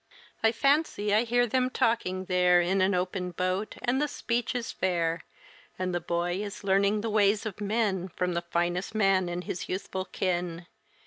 I fancy I hear them talking there In an open boat, and the speech is fair. And the boy is learning the ways of men From the finest man in his youthful ken.